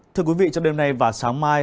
thưa quý vị trong đêm nay và sáng mai